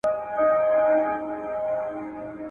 د ساده کلمو د زده کړې لپاره به د خبرو کموالی نه وي.